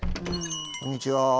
こんにちは。